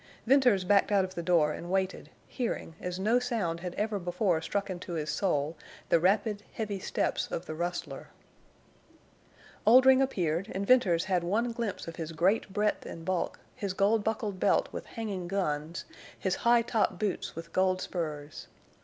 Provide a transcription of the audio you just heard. Venters backed out of the door and waited, hearing, as no sound had ever before struck into his soul, the rapid, heavy steps of the rustler. Oldring appeared, and Venters had one glimpse of his great breadth and bulk, his gold buckled belt with hanging guns, his high top boots with gold spurs.